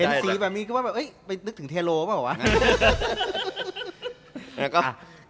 เห็นสีแบบนี้ก็ว่าไปนึกถึงเทโล่ปะก่อน